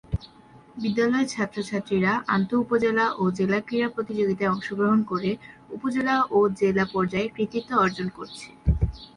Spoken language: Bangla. বিদ্যালয়ের ছাত্র-ছাত্রীরা আন্তঃ উপজেলা ও জেলা ক্রীড়া প্রতিযোগীতায় অংশগ্রহণ করে উপজেলা ও জেলা পর্যায়ে কৃতিত্ব অর্জন করছে।